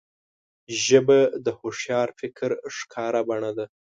ژبه د هوښیار فکر ښکاره بڼه ده